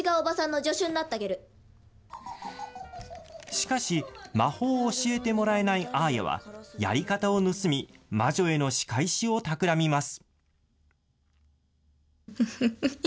しかし、魔法を教えてもらえないアーヤは、やり方を盗み、魔女への仕返しをたくらみます。